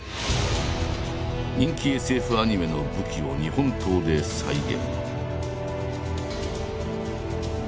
人気ＳＦアニメの武器を日本刀で再現。